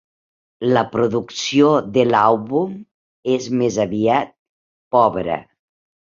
La producció de l'àlbum és més aviat pobra.